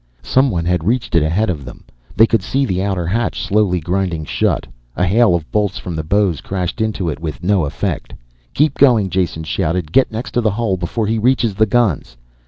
Someone had reached it ahead of them, they could see the outer hatch slowly grinding shut. A hail of bolts from the bows crashed into it with no effect. "Keep going!" Jason shouted. "Get next to the hull before he reaches the guns."